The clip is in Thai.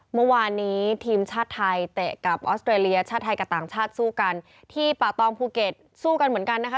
เมื่อวานนี้ทีมชาติไทยเตะกับออสเตรเลียชาติไทยกับต่างชาติสู้กันที่ป่าตองภูเก็ตสู้กันเหมือนกันนะคะ